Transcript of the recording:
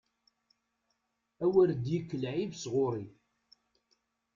A wer d-yekk lɛib sɣur-i!